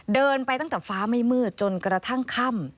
เดินไปตั้งแต่ฟ้าไม่มืดจนกระทั่งค่ำ